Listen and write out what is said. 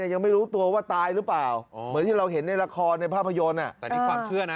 ยังไม่รู้ตัวว่าตายหรือเปล่าเหมือนที่เราเห็นในละครภาพยนตร์